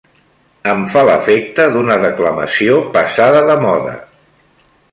Em fa l'efecte d'una declamació passada de moda